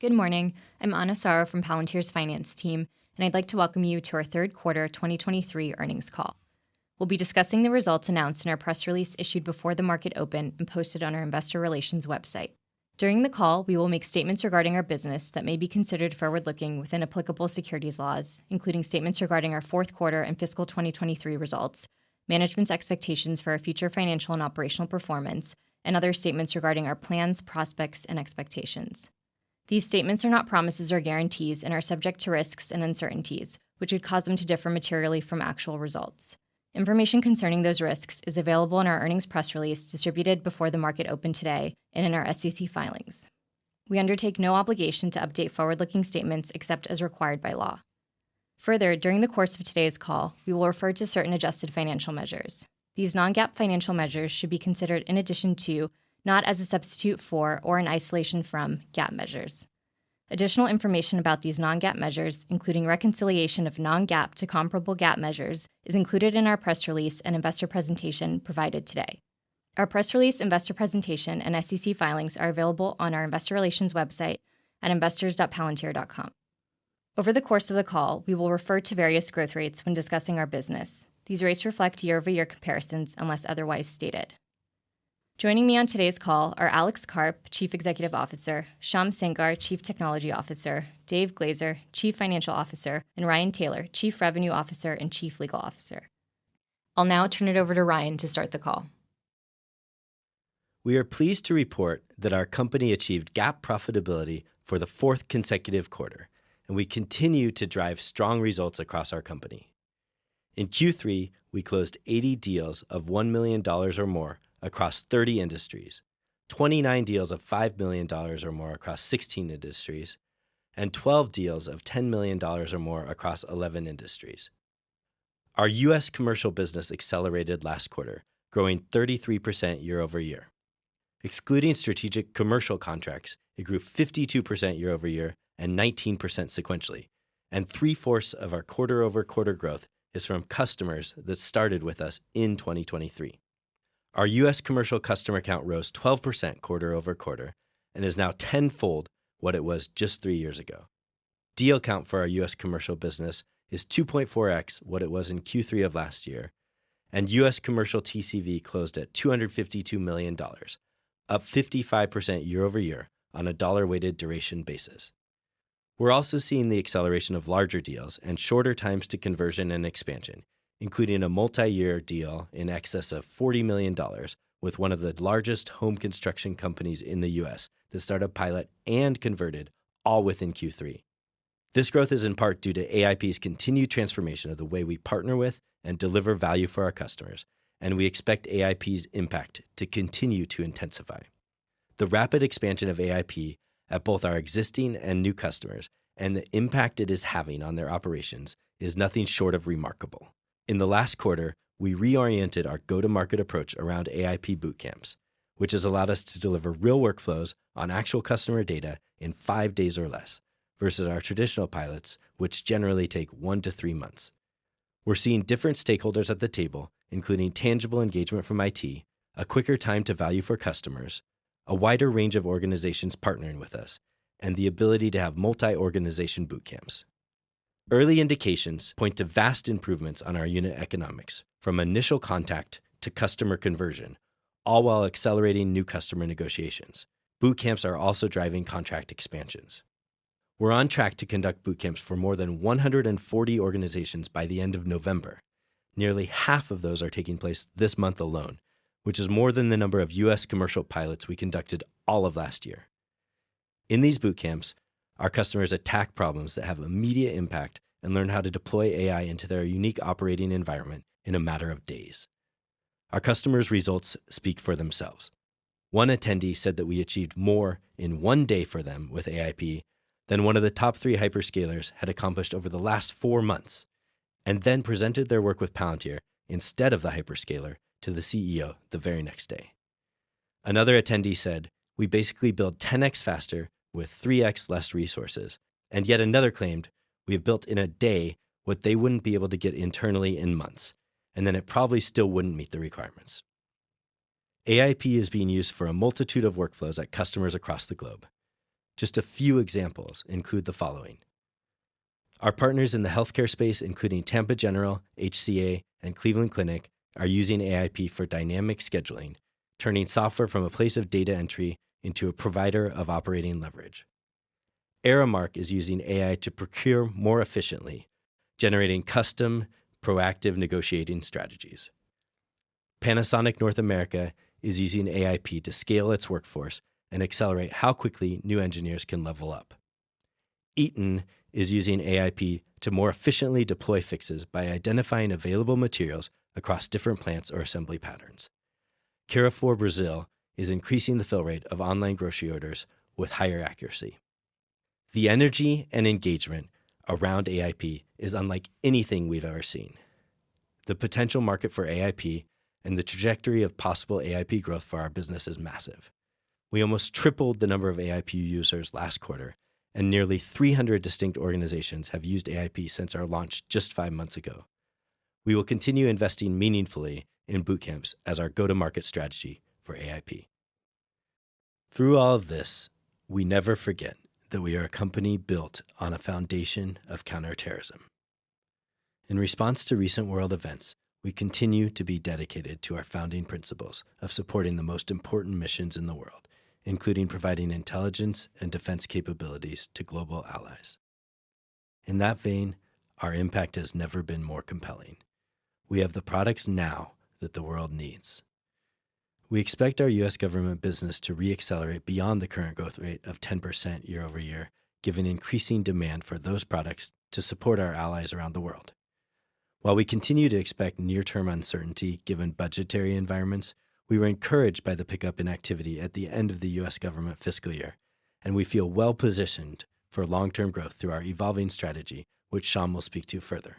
Good morning. I'm Ana Soro from Palantir's finance team, and I'd like to welcome you to our third quarter 2023 earnings call. We'll be discussing the results announced in our press release issued before the market opened and posted on our investor relations website. During the call, we will make statements regarding our business that may be considered forward-looking within applicable securities laws, including statements regarding our fourth quarter and fiscal 2023 results, management's expectations for our future financial and operational performance, and other statements regarding our plans, prospects, and expectations. These statements are not promises or guarantees and are subject to risks and uncertainties, which would cause them to differ materially from actual results. Information concerning those risks is available in our earnings press release, distributed before the market opened today, and in our SEC filings. We undertake no obligation to update forward-looking statements except as required by law. Further, during the course of today's call, we will refer to certain adjusted financial measures. These non-GAAP financial measures should be considered in addition to, not as a substitute for or in isolation from, GAAP measures. Additional information about these non-GAAP measures, including reconciliation of non-GAAP to comparable GAAP measures, is included in our press release and investor presentation provided today. Our press release, investor presentation, and SEC filings are available on our investor relations website at investors.palantir.com. Over the course of the call, we will refer to various growth rates when discussing our business. These rates reflect year-over-year comparisons unless otherwise stated. Joining me on today's call are Alex Karp, Chief Executive Officer, Shyam Sankar, Chief Technology Officer, Dave Glazer, Chief Financial Officer, and Ryan Taylor, Chief Revenue Officer and Chief Legal Officer. I'll now turn it over to Ryan to start the call. We are pleased to report that our company achieved GAAP profitability for the fourth consecutive quarter, and we continue to drive strong results across our company. In Q3, we closed 80 deals of $1 million or more across 30 industries, 29 deals of $5 million or more across 16 industries, and 12 deals of $10 million or more across 11 industries. Our U.S. commercial business accelerated last quarter, growing 33% year-over-year. Excluding strategic commercial contracts, it grew 52% year-over-year and 19% sequentially, and three-fourths of our quarter-over-quarter growth is from customers that started with us in 2023. Our U.S. commercial customer count rose 12% quarter-over-quarter and is now tenfold what it was just three years ago. Deal count for our U.S. commercial business is 2.4x what it was in Q3 of last year, and U.S. commercial TCV closed at $252 million, up 55% year-over-year on a dollar-weighted duration basis. We're also seeing the acceleration of larger deals and shorter times to conversion and expansion, including a multiyear deal in excess of $40 million with one of the largest home construction companies in the U.S. to start a pilot and converted all within Q3. This growth is in part due to AIP's continued transformation of the way we partner with and deliver value for our customers, and we expect AIP's impact to continue to intensify. The rapid expansion of AIP at both our existing and new customers and the impact it is having on their operations is nothing short of remarkable. In the last quarter, we reoriented our go-to-market approach around AIP boot camps, which has allowed us to deliver real workflows on actual customer data in 5 days or less, versus our traditional pilots, which generally take 1-3 months. We're seeing different stakeholders at the table, including tangible engagement from IT, a quicker time to value for customers, a wider range of organizations partnering with us, and the ability to have multi-organization boot camps. Early indications point to vast improvements on our unit economics, from initial contact to customer conversion, all while accelerating new customer negotiations. Boot camps are also driving contract expansions. We're on track to conduct boot camps for more than 140 organizations by the end of November. Nearly half of those are taking place this month alone, which is more than the number of U.S. commercial pilots we conducted all of last year. In these boot camps, our customers attack problems that have immediate impact and learn how to deploy AI into their unique operating environment in a matter of days. Our customers' results speak for themselves. One attendee said that we achieved more in one day for them with AIP than one of the top three hyperscalers had accomplished over the last four months, and then presented their work with Palantir instead of the hyperscaler to the CEO the very next day. Another attendee said, "We basically build 10x faster with 3x less resources," and yet another claimed, "We've built in a day what they wouldn't be able to get internally in months, and then it probably still wouldn't meet the requirements." AIP is being used for a multitude of workflows at customers across the globe. Just a few examples include the following: Our partners in the healthcare space, including Tampa General, HCA, and Cleveland Clinic, are using AIP for dynamic scheduling, turning software from a place of data entry into a provider of operating leverage. Aramark is using AIP to procure more efficiently, generating custom, proactive negotiating strategies. Panasonic North America is using AIP to scale its workforce and accelerate how quickly new engineers can level up. Eaton is using AIP to more efficiently deploy fixes by identifying available materials across different plants or assembly patterns. Carrefour Brasil is increasing the fill rate of online grocery orders with higher accuracy. The energy and engagement around AIP is unlike anything we've ever seen. The potential market for AIP and the trajectory of possible AIP growth for our business is massive. We almost tripled the number of AIP users last quarter, and nearly 300 distinct organizations have used AIP since our launch just 5 months ago. We will continue investing meaningfully in boot camps as our go-to-market strategy for AIP. Through all of this, we never forget that we are a company built on a foundation of counterterrorism. In response to recent world events, we continue to be dedicated to our founding principles of supporting the most important missions in the world, including providing intelligence and defense capabilities to global allies. In that vein, our impact has never been more compelling. We have the products now that the world needs. We expect our U.S. government business to re-accelerate beyond the current growth rate of 10% year-over-year, given increasing demand for those products to support our allies around the world. While we continue to expect near-term uncertainty, given budgetary environments, we were encouraged by the pickup in activity at the end of the U.S. government fiscal year, and we feel well-positioned for long-term growth through our evolving strategy, which Shyam will speak to further.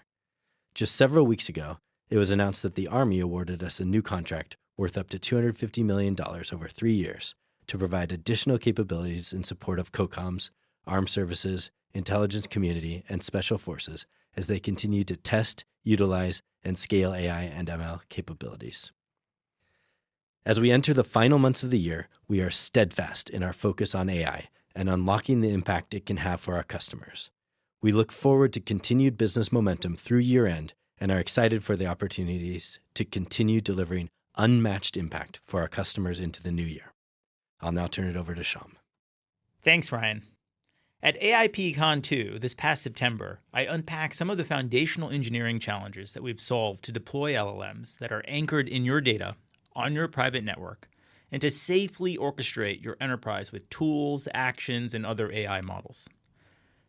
Just several weeks ago, it was announced that the Army awarded us a new contract worth up to $250 million over 3 years to provide additional capabilities in support of COCOMs, armed services, intelligence community, and special forces as they continue to test, utilize, and scale AI and ML capabilities. As we enter the final months of the year, we are steadfast in our focus on AI and unlocking the impact it can have for our customers. We look forward to continued business momentum through year-end and are excited for the opportunities to continue delivering unmatched impact for our customers into the new year. I'll now turn it over to Shyam. Thanks, Ryan. At AIPCon 2 this past September, I unpacked some of the foundational engineering challenges that we've solved to deploy LLMs that are anchored in your data, on your private network, and to safely orchestrate your enterprise with tools, actions, and other AI models.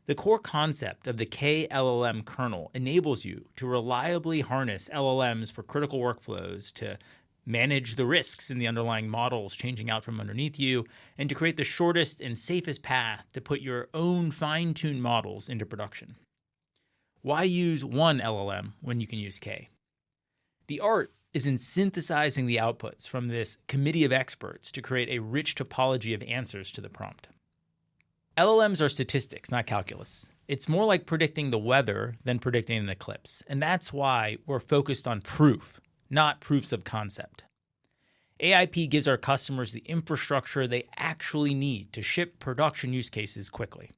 The core concept of the K-LLM kernel enables you to reliably harness LLMs for critical workflows, to manage the risks in the underlying models changing out from underneath you, and to create the shortest and safest path to put your own fine-tuned models into production. Why use one LLM when you can use K? The art is in synthesizing the outputs from this committee of experts to create a rich topology of answers to the prompt. LLMs are statistics, not calculus. It's more like predicting the weather than predicting an eclipse, and that's why we're focused on proof, not proofs of concept. AIP gives our customers the infrastructure they actually need to ship production use cases quickly.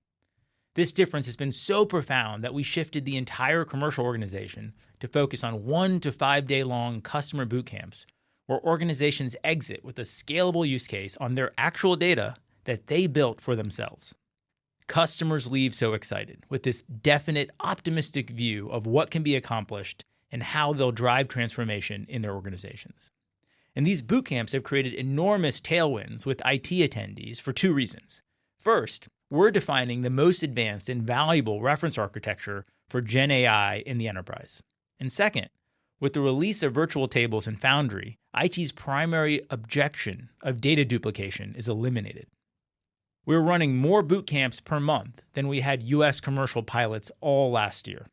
This difference has been so profound that we shifted the entire commercial organization to focus on 1-5-day-long customer boot camps, where organizations exit with a scalable use case on their actual data that they built for themselves. Customers leave so excited with this definite, optimistic view of what can be accomplished and how they'll drive transformation in their organizations. These boot camps have created enormous tailwinds with IT attendees for two reasons. First, we're defining the most advanced and valuable reference architecture for GenAI in the enterprise. And second, with the release of virtual tables in Foundry, IT's primary objection of data duplication is eliminated. We're running more boot camps per month than we had U.S. commercial pilots all last year.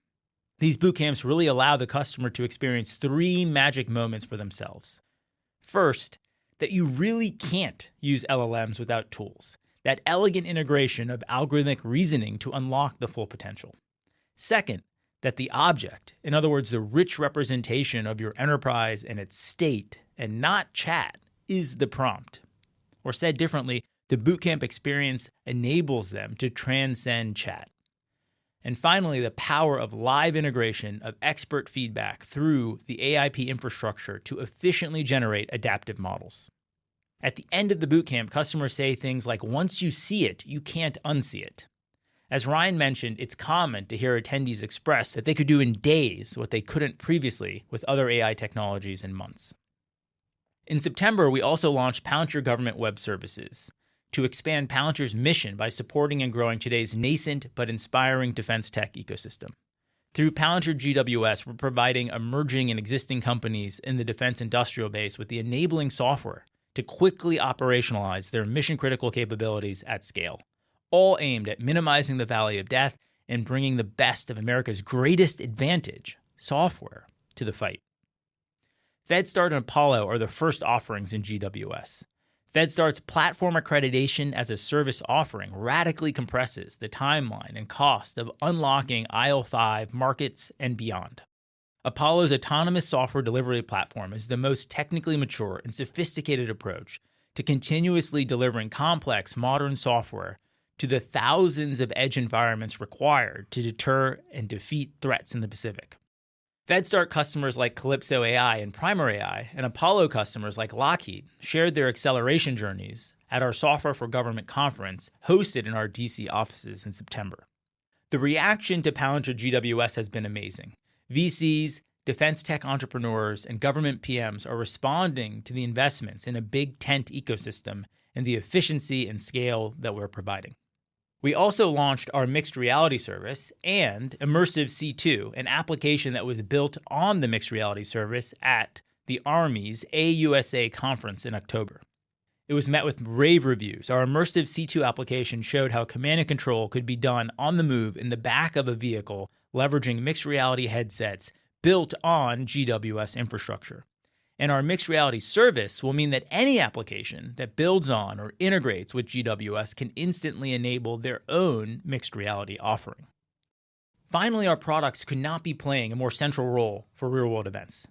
These boot camps really allow the customer to experience three magic moments for themselves. First, that you really can't use LLMs without tools, that elegant integration of algorithmic reasoning to unlock the full potential. Second, that the object, in other words, the rich representation of your enterprise and its state, and not chat, is the prompt. Or said differently, the boot camp experience enables them to transcend chat. And finally, the power of live integration of expert feedback through the AIP infrastructure to efficiently generate adaptive models. At the end of the boot camp, customers say things like, "Once you see it, you can't unsee it." As Ryan mentioned, it's common to hear attendees express that they could do in days what they couldn't previously with other AI technologies in months. In September, we also launched Palantir Government Web Services to expand Palantir's mission by supporting and growing today's nascent but inspiring defense tech ecosystem. Through Palantir GWS, we're providing emerging and existing companies in the defense industrial base with the enabling software to quickly operationalize their mission-critical capabilities at scale, all aimed at minimizing the valley of death and bringing the best of America's greatest advantage, software, to the fight. FedStart and Apollo are the first offerings in GWS. FedStart's platform accreditation as a service offering radically compresses the timeline and cost of unlocking IL5 markets and beyond. Apollo's autonomous software delivery platform is the most technically mature and sophisticated approach to continuously delivering complex, modern software to the thousands of edge environments required to deter and defeat threats in the Pacific. FedStart customers like Calypso AI and Primer AI, and Apollo customers like Lockheed, shared their acceleration journeys at our Software for Government conference, hosted in our D.C. offices in September. The reaction to Palantir GWS has been amazing. VCs, defense tech entrepreneurs, and government PMs are responding to the investments in a big tent ecosystem and the efficiency and scale that we're providing. We also launched our mixed reality service and Immersive C2, an application that was built on the mixed reality service at the Army's AUSA conference in October. It was met with rave reviews. Our Immersive C2 application showed how command and control could be done on the move in the back of a vehicle, leveraging mixed reality headsets built on GWS infrastructure.... Our mixed reality service will mean that any application that builds on or integrates with GWS can instantly enable their own mixed reality offering. Finally, our products could not be playing a more central role for real-world events.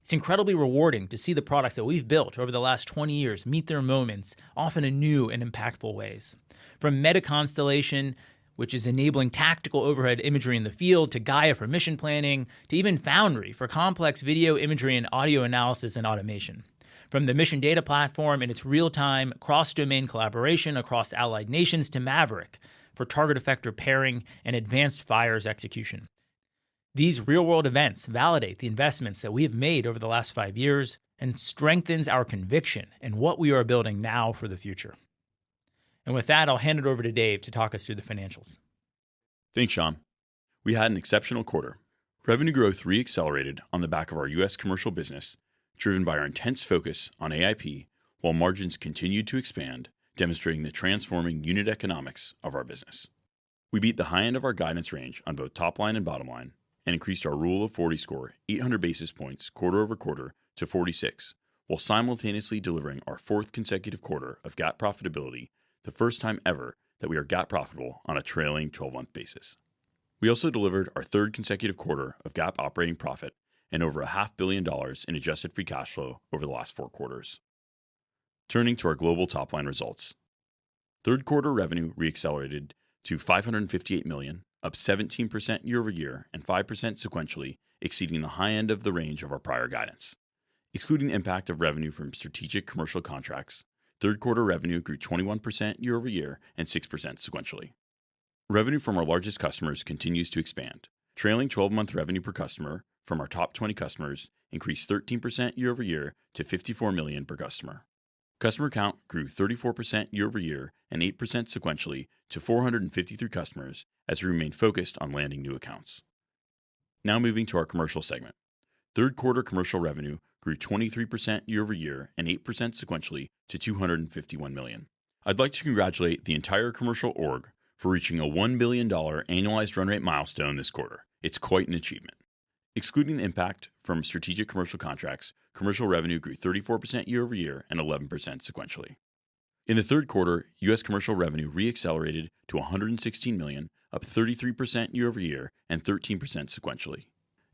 It's incredibly rewarding to see the products that we've built over the last 20 years meet their moments, often in new and impactful ways. From MetaConstellation, which is enabling tactical overhead imagery in the field, to Gaia for mission planning, to even Foundry for complex video, imagery, and audio analysis and automation. From the Mission Data Platform and its real-time cross-domain collaboration across allied nations, to Maverick for target effector pairing and advanced fires execution. These real-world events validate the investments that we have made over the last 5 years and strengthens our conviction in what we are building now for the future. With that, I'll hand it over to Dave to talk us through the financials. Thanks, Shyam. We had an exceptional quarter. Revenue growth re-accelerated on the back of our U.S. commercial business, driven by our intense focus on AIP, while margins continued to expand, demonstrating the transforming unit economics of our business. We beat the high end of our guidance range on both top line and bottom line, and increased our Rule of 40 score 800 basis points quarter-over-quarter to 46, while simultaneously delivering our fourth consecutive quarter of GAAP profitability, the first time ever that we are GAAP profitable on a trailing twelve-month basis. We also delivered our third consecutive quarter of GAAP operating profit and over $500 million in adjusted free cash flow over the last four quarters. Turning to our global top-line results. Third quarter revenue re-accelerated to $558 million, up 17% year-over-year and 5% sequentially, exceeding the high end of the range of our prior guidance. Excluding the impact of revenue from strategic commercial contracts, third quarter revenue grew 21% year-over-year and 6% sequentially. Revenue from our largest customers continues to expand. Trailing 12-month revenue per customer from our top 20 customers increased 13% year-over-year to $54 million per customer. Customer count grew 34% year-over-year and 8% sequentially to 453 customers as we remained focused on landing new accounts. Now moving to our commercial segment. Third quarter commercial revenue grew 23% year-over-year and 8% sequentially to $251 million. I'd like to congratulate the entire commercial org for reaching a $1 billion annualized run rate milestone this quarter. It's quite an achievement. Excluding the impact from strategic commercial contracts, commercial revenue grew 34% year-over-year and 11% sequentially. In the third quarter, U.S. commercial revenue re-accelerated to $116 million, up 33% year-over-year and 13% sequentially.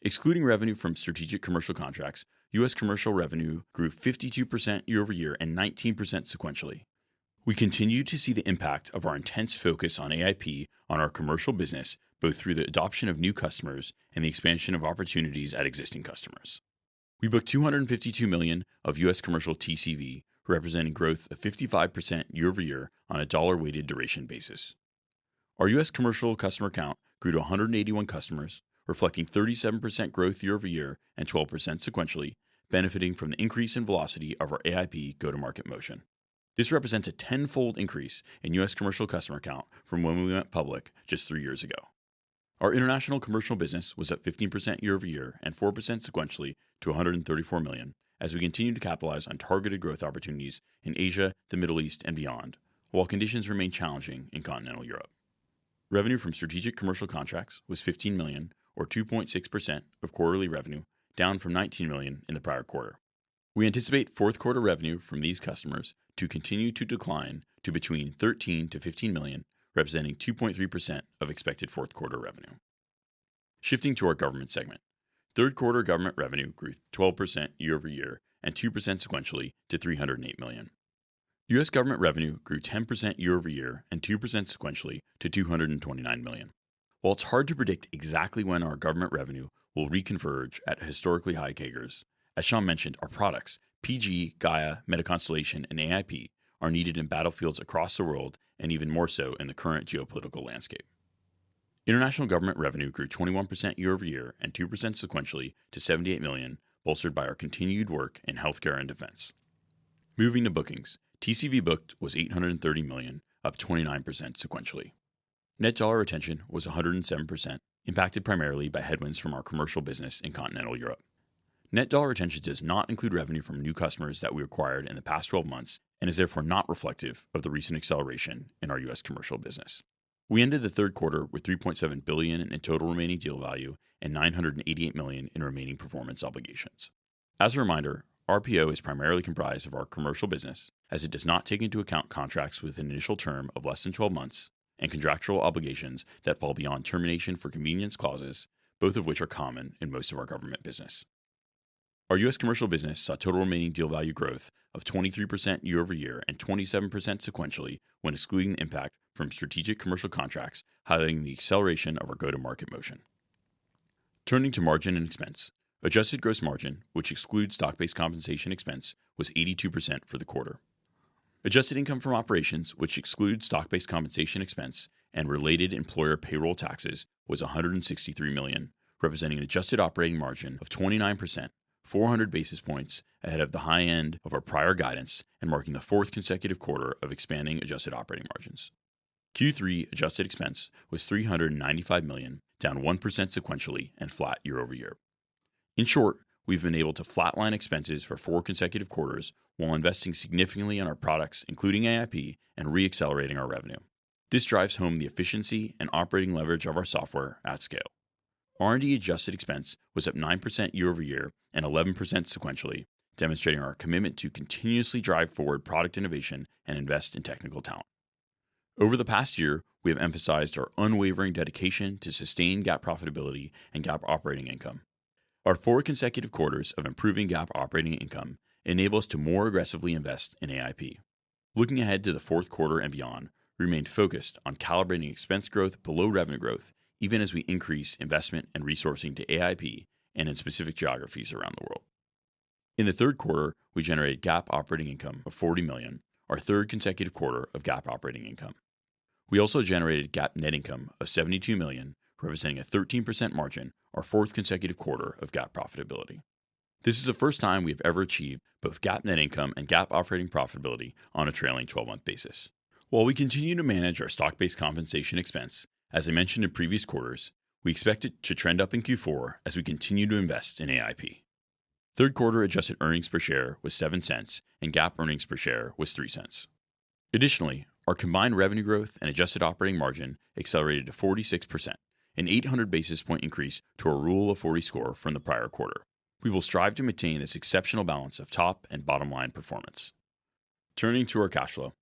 Excluding revenue from strategic commercial contracts, U.S. commercial revenue grew 52% year-over-year and 19% sequentially. We continue to see the impact of our intense focus on AIP on our commercial business, both through the adoption of new customers and the expansion of opportunities at existing customers. We booked $252 million of U.S. commercial TCV, representing growth of 55% year-over-year on a dollar-weighted duration basis. Our U.S. commercial customer count grew to 181 customers, reflecting 37% growth year-over-year and 12% sequentially, benefiting from the increase in velocity of our AIP go-to-market motion. This represents a tenfold increase in U.S. commercial customer count from when we went public just 3 years ago. Our international commercial business was up 15% year-over-year and 4% sequentially to $134 million, as we continue to capitalize on targeted growth opportunities in Asia, the Middle East, and beyond, while conditions remain challenging in Continental Europe. Revenue from strategic commercial contracts was $15 million or 2.6% of quarterly revenue, down from $19 million in the prior quarter. We anticipate fourth quarter revenue from these customers to continue to decline to between $13 million-$15 million, representing 2.3% of expected fourth quarter revenue. Shifting to our government segment. Third quarter government revenue grew 12% year over year and 2% sequentially to $308 million. U.S. government revenue grew 10% year over year and 2% sequentially to $229 million. While it's hard to predict exactly when our government revenue will reconverge at historically high CAGRs, as Shyam mentioned, our products, PG, Gaia, MetaConstellation, and AIP, are needed in battlefields across the world and even more so in the current geopolitical landscape. International government revenue grew 21% year over year and 2% sequentially to $78 million, bolstered by our continued work in healthcare and defense. Moving to bookings. TCV booked was $830 million, up 29% sequentially. Net dollar retention was 107%, impacted primarily by headwinds from our commercial business in Continental Europe. Net dollar retention does not include revenue from new customers that we acquired in the past 12 months and is therefore not reflective of the recent acceleration in our U.S. commercial business. We ended the third quarter with $3.7 billion in total remaining deal value and $988 million in remaining performance obligations. As a reminder, RPO is primarily comprised of our commercial business, as it does not take into account contracts with an initial term of less than 12 months and contractual obligations that fall beyond termination for convenience clauses, both of which are common in most of our government business. Our U.S. commercial business saw total remaining deal value growth of 23% year-over-year and 27% sequentially, when excluding the impact from strategic commercial contracts, highlighting the acceleration of our go-to-market motion. Turning to margin and expense. Adjusted gross margin, which excludes stock-based compensation expense, was 82% for the quarter. Adjusted income from operations, which excludes stock-based compensation expense and related employer payroll taxes, was $163 million, representing an adjusted operating margin of 29%, 400 basis points ahead of the high end of our prior guidance and marking the fourth consecutive quarter of expanding adjusted operating margins. Q3 adjusted expense was $395 million, down 1% sequentially and flat year-over-year. In short, we've been able to flatline expenses for four consecutive quarters while investing significantly in our products, including AIP, and re-accelerating our revenue.... This drives home the efficiency and operating leverage of our software at scale. R&D adjusted expense was up 9% year-over-year and 11% sequentially, demonstrating our commitment to continuously drive forward product innovation and invest in technical talent. Over the past year, we have emphasized our unwavering dedication to sustained GAAP profitability and GAAP operating income. Our 4 consecutive quarters of improving GAAP operating income enable us to more aggressively invest in AIP. Looking ahead to the fourth quarter and beyond, we remain focused on calibrating expense growth below revenue growth, even as we increase investment and resourcing to AIP and in specific geographies around the world. In the third quarter, we generated GAAP operating income of $40 million, our third consecutive quarter of GAAP operating income. We also generated GAAP net income of $72 million, representing a 13% margin, our fourth consecutive quarter of GAAP profitability. This is the first time we've ever achieved both GAAP net income and GAAP operating profitability on a trailing 12-month basis. While we continue to manage our stock-based compensation expense, as I mentioned in previous quarters, we expect it to trend up in Q4 as we continue to invest in AIP. Third quarter adjusted earnings per share was $0.07, and GAAP earnings per share was $0.03. Additionally, our combined revenue growth and adjusted operating margin accelerated to 46%, an eight hundred basis point increase to a Rule of 40 score from the prior quarter. We will strive to maintain this exceptional balance of top and bottom line performance. Turning to our cash flow.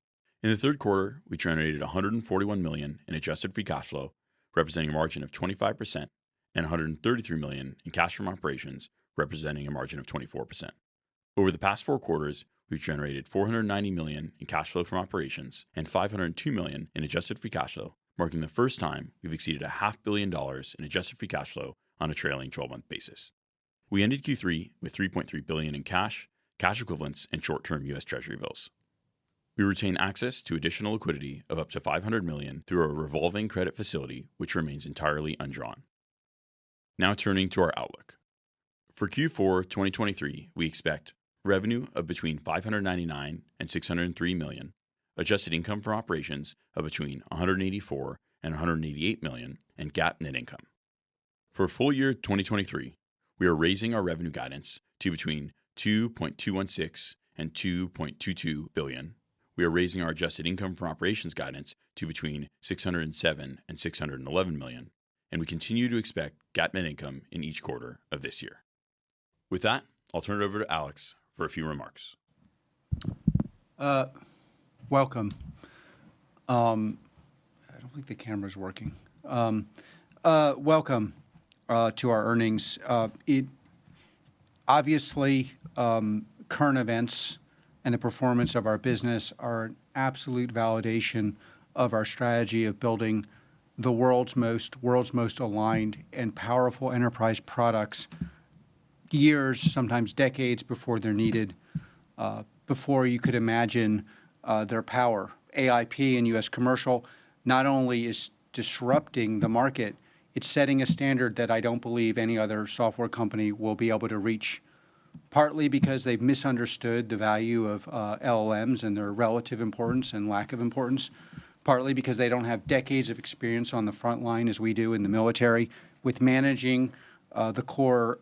In the third quarter, we generated $141 million in adjusted free cash flow, representing a margin of 25%, and $133 million in cash from operations, representing a margin of 24%. Over the past 4 quarters, we've generated $490 million in cash flow from operations and $502 million in adjusted free cash flow, marking the first time we've exceeded $500 million in adjusted free cash flow on a trailing twelve-month basis. We ended Q3 with $3.3 billion in cash, cash equivalents, and short-term U.S. Treasury bills. We retain access to additional liquidity of up to $500 million through our revolving credit facility, which remains entirely undrawn. Now turning to our outlook. For Q4 2023, we expect revenue of between $599 million and $603 million, adjusted income from operations of between $184 million and $188 million, and GAAP net income. For full year 2023, we are raising our revenue guidance to between $2.216 billion and $2.22 billion. We are raising our adjusted income from operations guidance to between $607 million and $611 million, and we continue to expect GAAP net income in each quarter of this year. With that, I'll turn it over to Alex for a few remarks. Welcome. I don't think the camera's working. Welcome to our earnings. It obviously, current events and the performance of our business are an absolute validation of our strategy of building the world's most, world's most aligned and powerful enterprise products, years, sometimes decades, before they're needed, before you could imagine, their power. AIP and U.S. Commercial not only is disrupting the market, it's setting a standard that I don't believe any other software company will be able to reach. Partly because they've misunderstood the value of, LLMs and their relative importance and lack of importance. Partly because they don't have decades of experience on the front line, as we do in the military, with managing, the core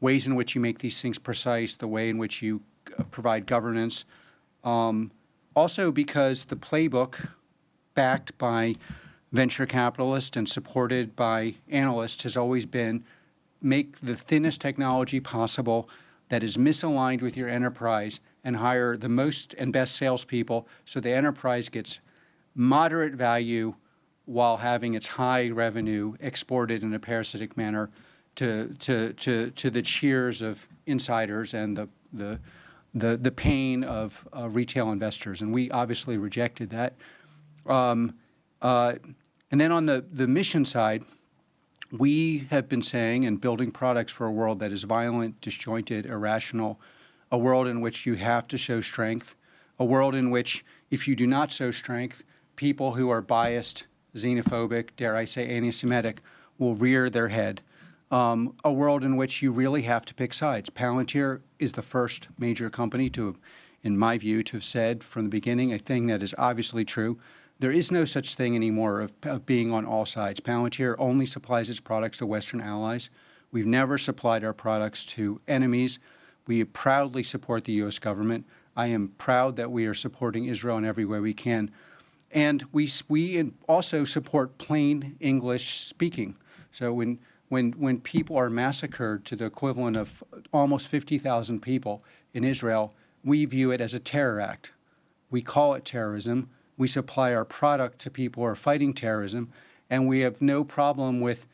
ways in which you make these things precise, the way in which you provide governance. Also because the playbook, backed by venture capitalists and supported by analysts, has always been: make the thinnest technology possible that is misaligned with your enterprise, and hire the most and best salespeople, so the enterprise gets moderate value while having its high revenue exported in a parasitic manner to the cheers of insiders and the pain of retail investors, and we obviously rejected that. And then on the mission side, we have been saying and building products for a world that is violent, disjointed, irrational, a world in which you have to show strength, a world in which if you do not show strength, people who are biased, xenophobic, dare I say, antisemitic, will rear their head. A world in which you really have to pick sides. Palantir is the first major company, in my view, to have said from the beginning, a thing that is obviously true, there is no such thing anymore of being on all sides. Palantir only supplies its products to Western allies. We've never supplied our products to enemies. We proudly support the U.S. government. I am proud that we are supporting Israel in every way we can, and we also support plain English speaking. So when people are massacred to the equivalent of almost 50,000 people in Israel, we view it as a terror act. We call it terrorism. We supply our product to people who are fighting terrorism, and we have no problem with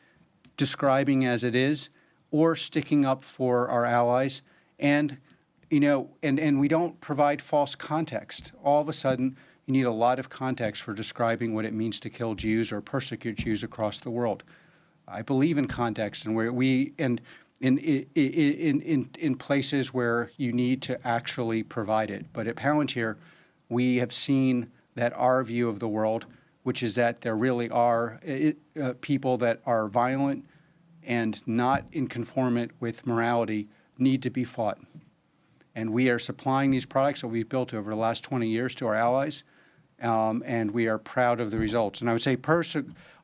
describing as it is or sticking up for our allies. And, you know, we don't provide false context. All of a sudden, you need a lot of context for describing what it means to kill Jews or persecute Jews across the world. I believe in context and in places where you need to actually provide it. But at Palantir, we have seen that our view of the world, which is that there really are people that are violent and not in conformance with morality, need to be fought. And we are supplying these products that we've built over the last 20 years to our allies, and we are proud of the results. And I would say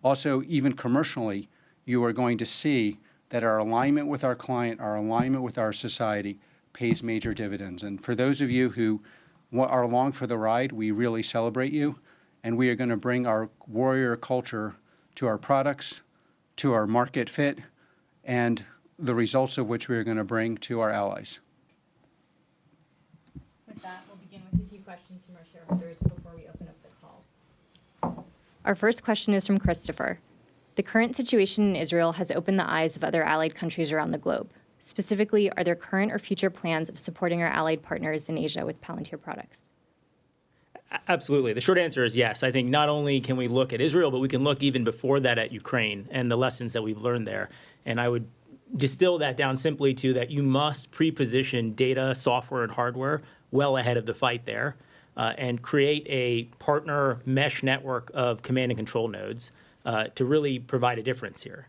also, even commercially, you are going to see that our alignment with our client, our alignment with our society, pays major dividends. For those of you who are along for the ride, we really celebrate you, and we are gonna bring our warrior culture to our products, to our market fit, and the results of which we are gonna bring to our allies. With that, we'll begin with a few questions from our shareholders before we open up the call. Our first question is from Christopher: The current situation in Israel has opened the eyes of other allied countries around the globe. Specifically, are there current or future plans of supporting our allied partners in Asia with Palantir products? Absolutely. The short answer is yes. I think not only can we look at Israel, but we can look even before that at Ukraine and the lessons that we've learned there. And I would distill that down simply to that you must pre-position data, software, and hardware well ahead of the fight there, and create a partner mesh network of command and control nodes, to really provide a difference here.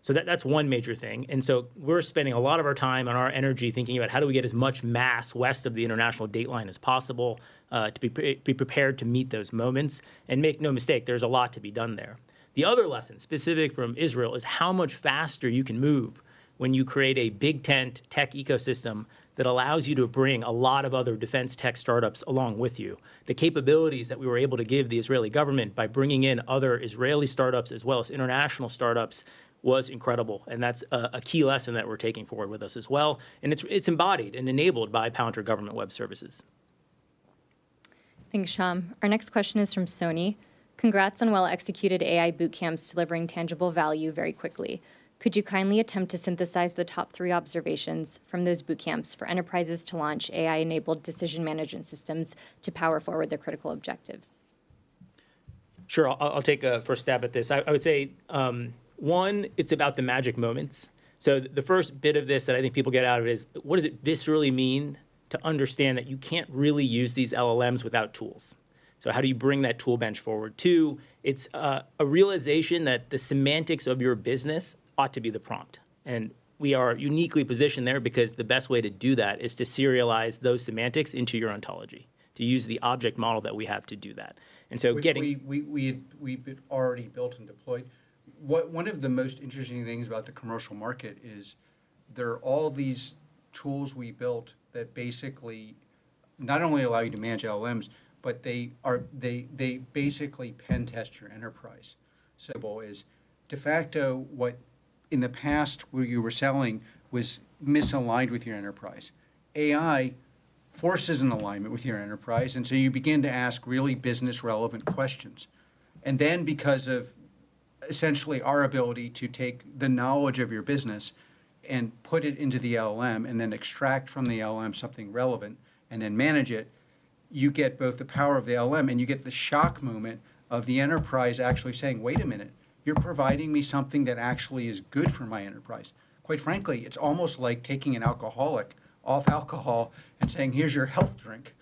So that, that's one major thing. And so we're spending a lot of our time and our energy thinking about how do we get as much mass west of the International Date Line as possible, to be prepared to meet those moments? And make no mistake, there's a lot to be done there. The other lesson, specific from Israel, is how much faster you can move when you create a big tent tech ecosystem that allows you to bring a lot of other defense tech startups along with you. The capabilities that we were able to give the Israeli government by bringing in other Israeli startups as well as international startups was incredible, and that's a key lesson that we're taking forward with us as well, and it's embodied and enabled by Palantir Government Web Services. Thanks, Shyam. Our next question is from Sanjit: Congrats on well-executed AI boot camps delivering tangible value very quickly. Could you kindly attempt to synthesize the top three observations from those boot camps for enterprises to launch AI-enabled decision management systems to power forward their critical objectives? Sure, I'll take a first stab at this. I would say, one, it's about the magic moments. So the first bit of this that I think people get out of it is: What does it viscerally mean to understand that you can't really use these LLMs without tools? So how do you bring that tool bench forward? Two, it's a realization that the semantics of your business ought to be the prompt, and we are uniquely positioned there because the best way to do that is to serialize those semantics into your ontology, to use the object model that we have to do that. And so getting- Which we've already built and deployed. One of the most interesting things about the commercial market is there are all these tools we built that basically not only allow you to manage LLMs, but they basically pen test your enterprise. So de facto, what in the past you were selling was misaligned with your enterprise. AI forces an alignment with your enterprise, and so you begin to ask really business-relevant questions. And then because of essentially our ability to take the knowledge of your business and put it into the LLM, and then extract from the LLM something relevant, and then manage it, you get both the power of the LLM and you get the shock moment of the enterprise actually saying, "Wait a minute, you're providing me something that actually is good for my enterprise." Quite frankly, it's almost like taking an alcoholic off alcohol and saying: Here's your health drink.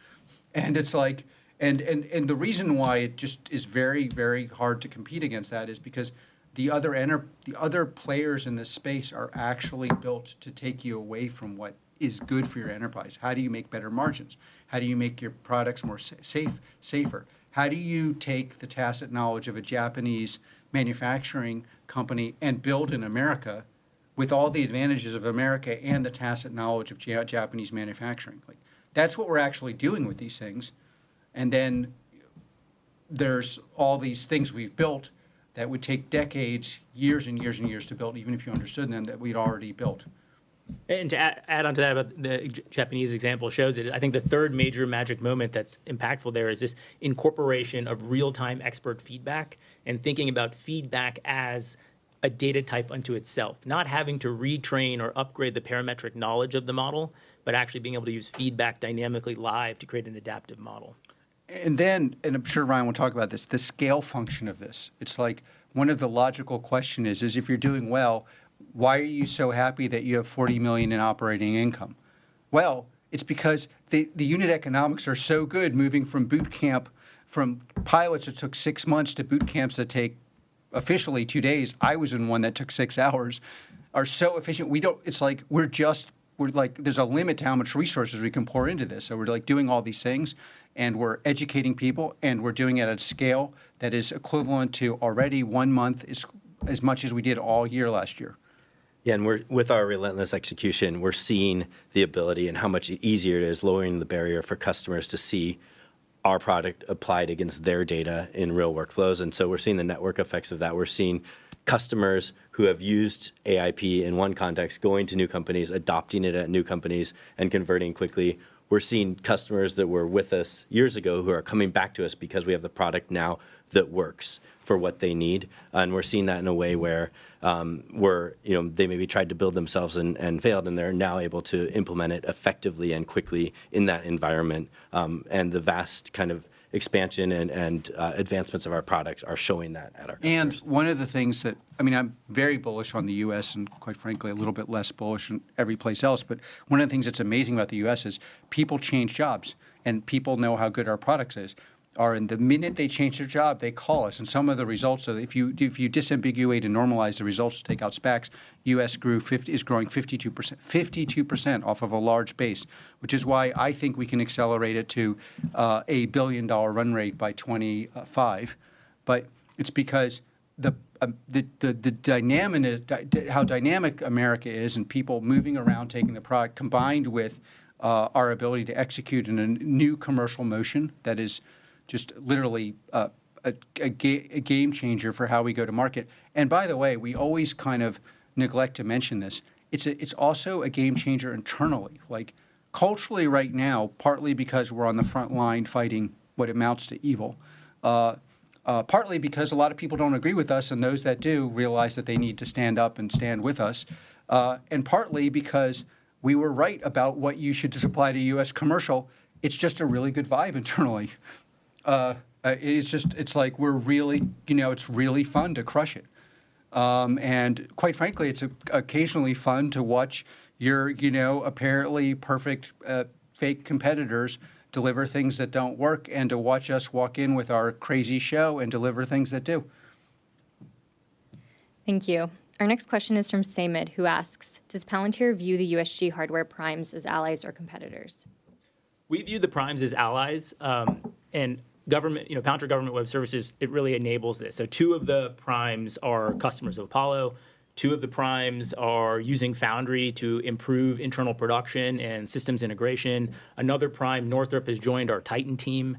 And it's like... And the reason why it just is very, very hard to compete against that is because the other players in this space are actually built to take you away from what is good for your enterprise. How do you make better margins? How do you make your products more safer? How do you take the tacit knowledge of a Japanese manufacturing company and build in America with all the advantages of America and the tacit knowledge of Japanese manufacturing? Like, that's what we're actually doing with these things, and then there's all these things we've built that would take decades, years and years and years to build, even if you understood them, that we'd already built. And to add onto that, about the Japanese example shows it, I think the third major magic moment that's impactful there is this incorporation of real-time expert feedback and thinking about feedback as a data type unto itself. Not having to retrain or upgrade the parametric knowledge of the model, but actually being able to use feedback dynamically live to create an adaptive model. And then, I'm sure Ryan will talk about this, the scale function of this. It's like, one of the logical question is: If you're doing well, why are you so happy that you have $40 million in operating income? Well, it's because the unit economics are so good moving from boot camp, from pilots that took 6 months, to boot camps that take officially 2 days. I was in one that took 6 hours, are so efficient. We don't. It's like we're just. We're like, there's a limit to how much resources we can pour into this, so we're, like, doing all these things, and we're educating people, and we're doing it at a scale that is equivalent to already 1 month, as much as we did all year last year. Yeah, and with our relentless execution, we're seeing the ability and how much easier it is, lowering the barrier for customers to see our product applied against their data in real workflows, and so we're seeing the network effects of that. We're seeing customers who have used AIP in one context, going to new companies, adopting it at new companies, and converting quickly. We're seeing customers that were with us years ago who are coming back to us because we have the product now that works for what they need. And we're seeing that in a way where, where, you know, they maybe tried to build themselves and failed, and they're now able to implement it effectively and quickly in that environment. And the vast kind of expansion and advancements of our products are showing that at our customers. And one of the things that—I mean, I'm very bullish on the U.S. and, quite frankly, a little bit less bullish on every place else. But one of the things that's amazing about the U.S. is people change jobs, and people know how good our products is. Are, and the minute they change their job, they call us, and some of the results are, if you, if you disambiguate and normalize the results to take out SPACs, U.S. grew—is growing 52%. 52% off of a large base, which is why I think we can accelerate it to a billion-dollar run rate by 2025. But it's because the dynamic is how dynamic America is and people moving around, taking the product, combined with our ability to execute in a new commercial motion that is just literally a game changer for how we go to market. And by the way, we always kind of neglect to mention this, it's also a game changer internally. Like, culturally, right now, partly because we're on the front line fighting what amounts to evil, partly because a lot of people don't agree with us, and those that do realize that they need to stand up and stand with us, and partly because we were right about what you should supply to U.S. commercial. It's just a really good vibe internally. It's just like we're really, you know, it's really fun to crush it. Quite frankly, it's occasionally fun to watch your, you know, apparently perfect fake competitors deliver things that don't work, and to watch us walk in with our crazy show and deliver things that do. Thank you. Our next question is from Samad, who asks: Does Palantir view the USG hardware primes as allies or competitors? We view the primes as allies, and our Government Web Services, you know, it really enables this. So two of the primes are customers of Apollo, two of the primes are using Foundry to improve internal production and systems integration. Another prime, Northrop, has joined our TITAN team.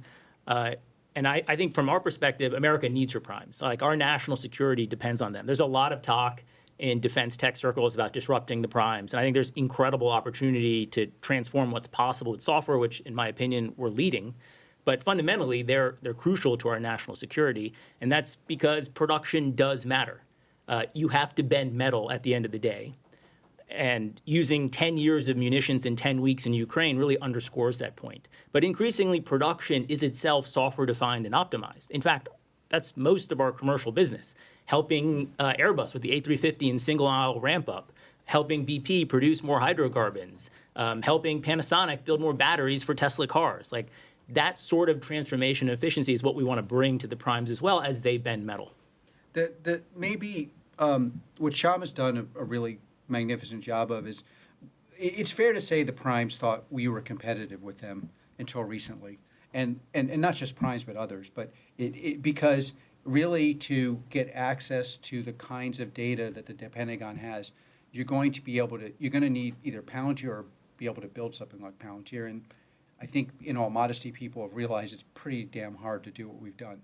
And I think from our perspective, America needs her primes. Like, our national security depends on them. There's a lot of talk in defense tech circles about disrupting the primes, and I think there's incredible opportunity to transform what's possible with software, which in my opinion, we're leading. But fundamentally, they're crucial to our national security, and that's because production does matter. You have to bend metal at the end of the day, and using 10 years of munitions in 10 weeks in Ukraine really underscores that point. But increasingly, production is itself software-defined and optimized. In fact, that's most of our commercial business: helping Airbus with the A350 and single-aisle ramp-up, helping BP produce more hydrocarbons, helping Panasonic build more batteries for Tesla cars. Like, that sort of transformation efficiency is what we want to bring to the primes as well as they bend metal. Maybe what Shyam has done a really magnificent job of is... It's fair to say the primes thought we were competitive with them until recently, and not just primes, but others. But because really, to get access to the kinds of data that the Pentagon has, you're gonna need either Palantir or be able to build something like Palantir. And I think, in all modesty, people have realized it's pretty damn hard to do what we've done.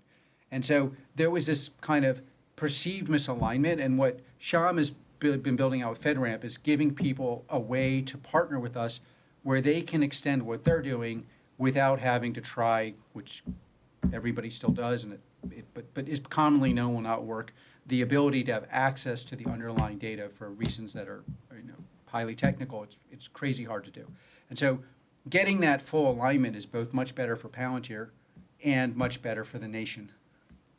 And so there was this kind of perceived misalignment, and what Shyam has been building out with FedRAMP is giving people a way to partner with us, where they can extend what they're doing without having to try, which everybody still does, but it's commonly known will not work. The ability to have access to the underlying data for reasons that are, you know, highly technical, it's crazy hard to do. And so, getting that full alignment is both much better for Palantir and much better for the nation.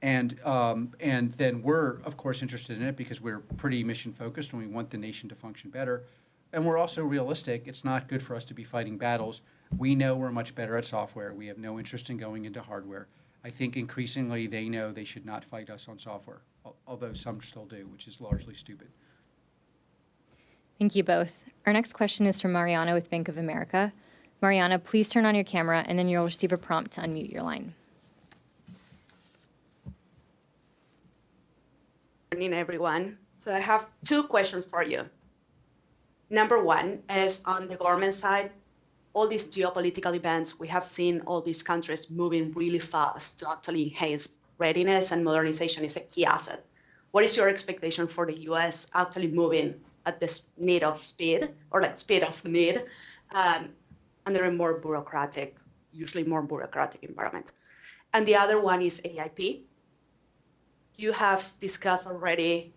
And then we're, of course, interested in it because we're pretty mission-focused, and we want the nation to function better, and we're also realistic. It's not good for us to be fighting battles. We know we're much better at software. We have no interest in going into hardware. I think increasingly, they know they should not fight us on software, although some still do, which is largely stupid. Thank you both. Our next question is from Mariana with Bank of America. Mariana, please turn on your camera, and then you'll receive a prompt to unmute your line. Good morning, everyone. So I have two questions for you. Number one is on the government side. All these geopolitical events, we have seen all these countries moving really fast to actually enhance readiness, and modernization is a key asset. What is your expectation for the U.S. actually moving at this need of speed or, like, speed of need, under a more bureaucratic, usually more bureaucratic environment? And the other one is AIP. You have discussed already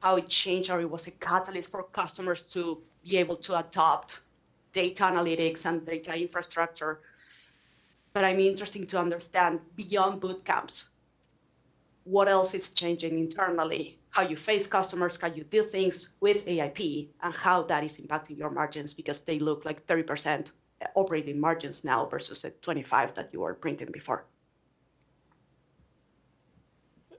how it changed, or it was a catalyst for customers to be able to adopt data analytics and data infrastructure. But I'm interesting to understand, beyond boot camps, what else is changing internally? How you face customers, how you build things with AIP, and how that is impacting your margins, because they look like 30% operating margins now versus the 25 that you were printing before.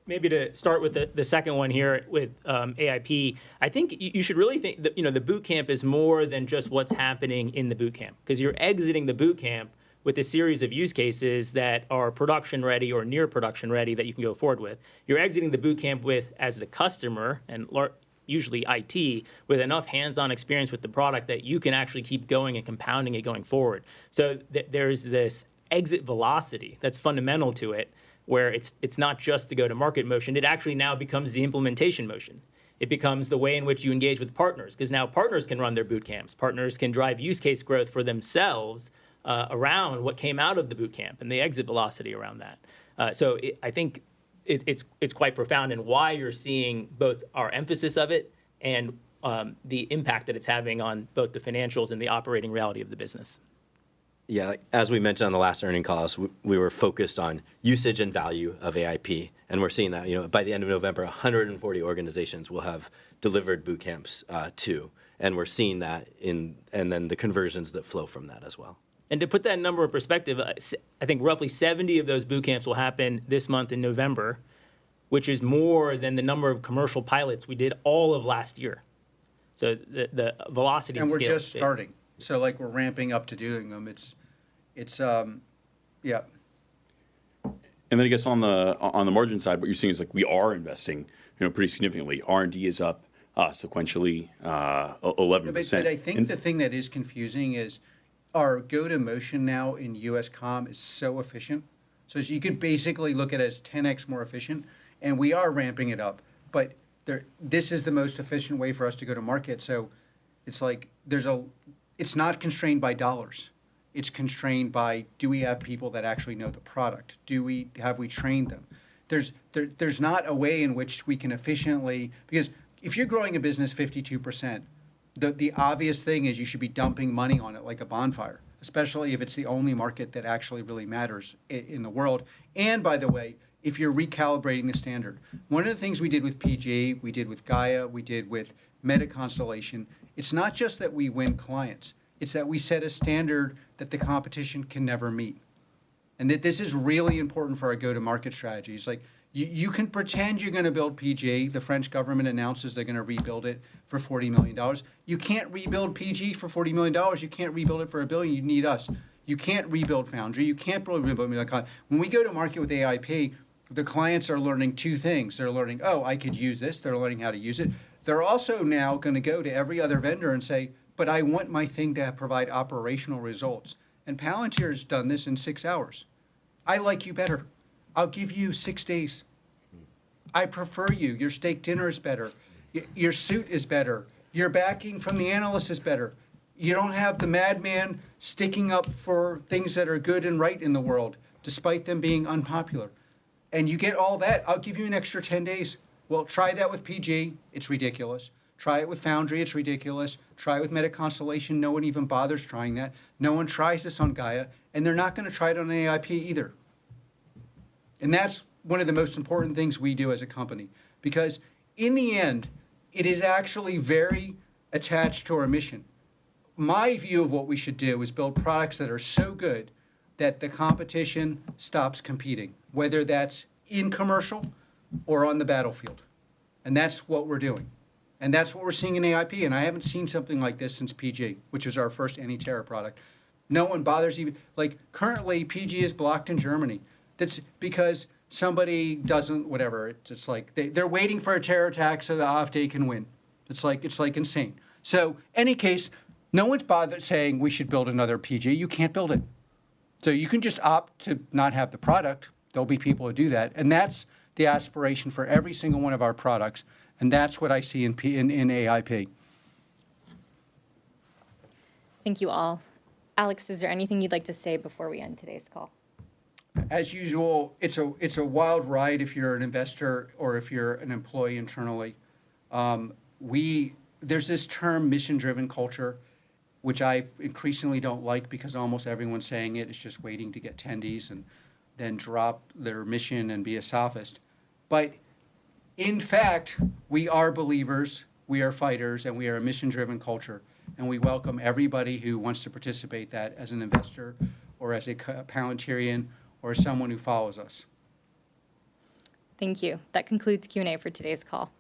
Maybe to start with the second one here with AIP, I think you should really think that, you know, the boot camp is more than just what's happening in the boot camp. 'Cause you're exiting the boot camp with a series of use cases that are production-ready or near production-ready, that you can go forward with. You're exiting the boot camp with, as the customer, and largely, usually IT, with enough hands-on experience with the product, that you can actually keep going and compounding it going forward. So there is this exit velocity that's fundamental to it, where it's not just the go-to-market motion, it actually now becomes the implementation motion. It becomes the way in which you engage with partners, 'cause now partners can run their boot camps. Partners can drive use case growth for themselves around what came out of the boot camp and the exit velocity around that. So, I think it's quite profound in why you're seeing both our emphasis of it and the impact that it's having on both the financials and the operating reality of the business. Yeah, as we mentioned on the last earnings calls, we were focused on usage and value of AIP, and we're seeing that. You know, by the end of November, 140 organizations will have delivered boot camps, too, and we're seeing that in... and then the conversions that flow from that as well. And to put that number in perspective, I think roughly 70 of those boot camps will happen this month in November, which is more than the number of commercial pilots we did all of last year. So the velocity and scale- We're just starting. Like, we're ramping up to doing them. It's... Yeah. And then, I guess, on the, on the margin side, what you're seeing is, like, we are investing, you know, pretty significantly. R&D is up sequentially 11%. But I think the thing that is confusing is our go-to-motion now in U,S, commercial is so efficient. So you could basically look at it as 10x more efficient, and we are ramping it up, but there, this is the most efficient way for us to go to market. So it's like there's a... It's not constrained by dollars, it's constrained by: Do we have people that actually know the product? Have we trained them? There's not a way in which we can efficiently. Because if you're growing a business 52%, the obvious thing is you should be dumping money on it like a bonfire, especially if it's the only market that actually really matters in the world, and by the way, if you're recalibrating the standard. One of the things we did with PG, we did with Gaia, we did with MetaConstellation, it's not just that we win clients, it's that we set a standard that the competition can never meet, and that this is really important for our go-to-market strategy. It's like you can pretend you're gonna build PG. The French government announces they're gonna rebuild it for $40 million. You can't rebuild PG for $40 million. You can't rebuild it for $1 billion. You need us. You can't rebuild Foundry. You can't probably rebuild MetaCon. When we go to market with AIP, the clients are learning two things. They're learning, "Oh, I could use this." They're learning how to use it. They're also now gonna go to every other vendor and say, "But I want my thing to provide operational results," and Palantir's done this in six hours. I like you better. I'll give you 6 days. I prefer you. Your steak dinner is better. Your suit is better. Your backing from the analyst is better. You don't have the madman sticking up for things that are good and right in the world, despite them being unpopular, and you get all that. I'll give you an extra 10 days." Well, try that with PG. It's ridiculous. Try it with Foundry. It's ridiculous. Try it with MetaConstellation. No one even bothers trying that. No one tries this on Gaia, and they're not gonna try it on AIP either, and that's one of the most important things we do as a company because, in the end, it is actually very attached to our mission. My view of what we should do is build products that are so good that the competition stops competing, whether that's in commercial or on the battlefield, and that's what we're doing, and that's what we're seeing in AIP, and I haven't seen something like this since PG, which is our first anti-terror product. No one bothers even—like, currently, PG is blocked in Germany. That's because somebody doesn't... Whatever. It's just like they're waiting for a terror attack so the AfD can win. It's like, it's like insane. So in any case, no one's bothered saying we should build another PG. You can't build it. So you can just opt to not have the product. There'll be people who do that, and that's the aspiration for every single one of our products, and that's what I see in AIP. Thank you, all. Alex, is there anything you'd like to say before we end today's call? As usual, it's a wild ride if you're an investor or if you're an employee internally. We. There's this term, mission-driven culture, which I increasingly don't like because almost everyone saying it is just waiting to get tendies and then drop their mission and be a sophist. But in fact, we are believers, we are fighters, and we are a mission-driven culture, and we welcome everybody who wants to participate that as an investor or as a Palantirian or someone who follows us. Thank you. That concludes Q&A for today's call.